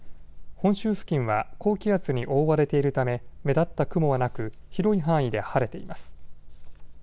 本州付近は高気圧に覆われているため目立った雲はなく広い範囲で晴れています。